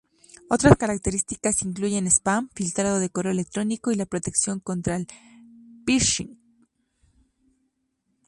Otras características incluyen spam filtrado de correo electrónico y la protección contra el phishing.